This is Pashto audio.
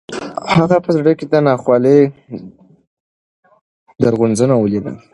هغه په زړه کې د ناخوالو درغځنه ولیده.